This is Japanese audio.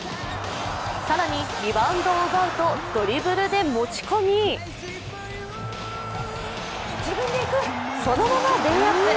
更にリバウンドを奪うとドリブルで持ち込みそのままレイアップ。